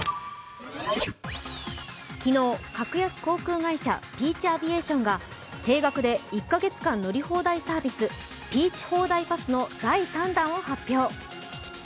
昨日、格安航空会社、ピーチ・アビエーションが定額で１ヶ月間乗り放題サービス、Ｐｅａｃｈホーダイパスの第３弾を発表。